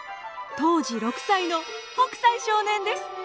当時６歳の北斎少年です。